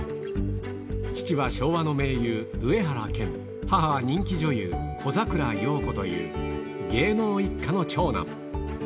父は昭和の名優、上原謙、母は人気女優、小桜葉子という、芸能一家の長男。